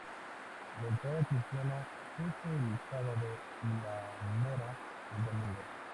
La entrada cristiana es el sábado y la mora el domingo.